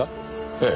ええ。